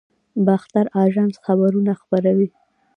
باختر اژانس خبرونه خپروي